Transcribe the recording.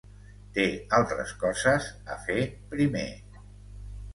Té altres coses a fer primer.